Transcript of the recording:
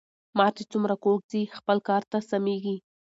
مار چی څومره کوږ ځي خپل کار ته سمیږي .